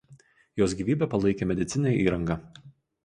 Jos gyvybę palaikė medicininė įranga